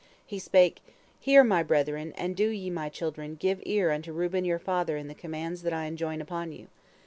He spake: "Hear, my brethren, and do ye, my children, give ear unto Reuben your father in the commands that I enjoin upon you.